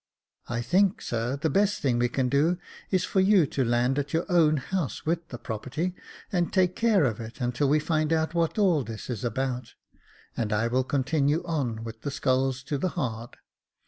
" I think, sir, the best thing we can do is, for you to land at your own house with the property, and take care of it until we find out what all this is about ; and I will continue on with the sculls to the hard.